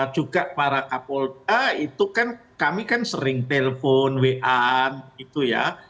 juga para kak polri itu kan kami kan sering telepon wan gitu ya